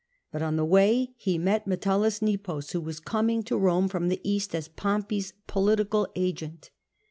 But on the way he met MetellusNepos, who was coming to Rome from the East as Pompey's political agent.